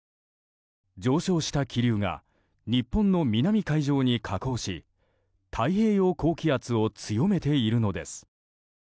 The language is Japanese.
上昇した気流が日本の南海上に下降し太平洋高気圧を強めているのです。